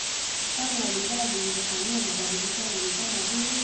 Mfano wa bidhaa zilizofanyiwa mabadilishano ni kama vile